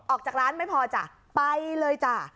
ออกจากร้านไม่พอจ้ะไปเลยจ้ะ